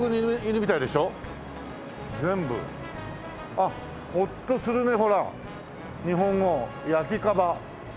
あっホッとするねほら日本語焼蒲。